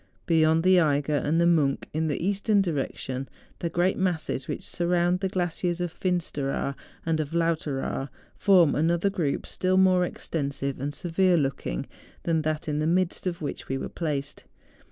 Beyond the Eiger and the Monch, in the eastern direction the great masses which surround the glaciers of Finsteraar and of Lauteraar, form another group still more extensive and severe looking than that in the midst of which we were placed.